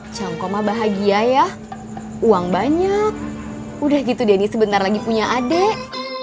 changkoma bahagia ya uang banyak udah gitu denny sebentar lagi punya adik